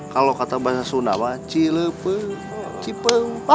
gak ada yang bisa gantiin rasa cinta aku sama raya